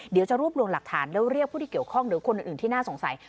เดี๋ยวจะรวบรวมหลักฐานแล้วเรียกผู้ที่เกี่ยวข้องหรือคนอื่นที่น่าสงสัย